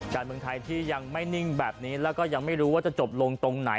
การเมืองไทยที่ยังไม่นิ่งแบบนี้แล้วก็ยังไม่รู้ว่าจะจบลงตรงไหน